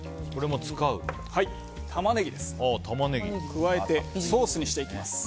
加えて、ソースにしていきます。